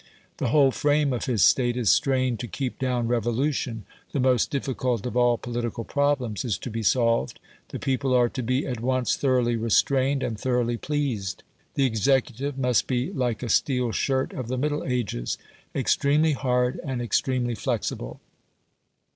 The whole frame of his State is strained to keep down revolution. The most difficult of all political problems is to be solved the people are to be at once thoroughly restrained and thoroughly pleased. The executive must be like a steel shirt of the Middle Ages extremely hard and extremely flexible.